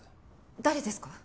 誰ですか？